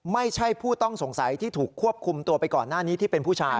ไม่ใช่ผู้ต้องสงสัยที่ถูกควบคุมตัวไปก่อนหน้านี้ที่เป็นผู้ชาย